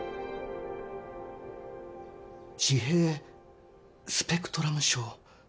自閉スペクトラム症？